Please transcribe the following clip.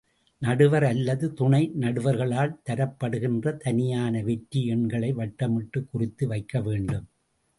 நடுவர் அல்லது துணை நடுவர்களால் தரப்படுகின்ற தனியான வெற்றி எண்களை வட்டமிட்டுக் குறித்து வைக்க வேண்டும்.